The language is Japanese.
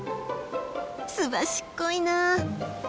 すばしっこいなあ！